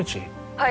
はい。